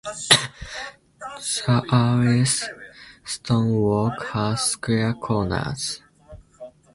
The earliest stonework has square corners.